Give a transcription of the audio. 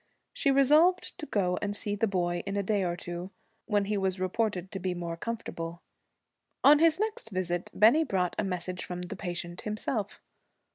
She resolved to go and see the boy in a day or two, when he was reported to be more comfortable. On his next visit Bennie brought a message from the patient himself.